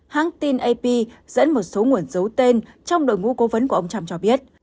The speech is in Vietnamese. hãng tin ap dẫn một số nguồn dấu tên trong đội ngũ cố vấn của ông trump cho biết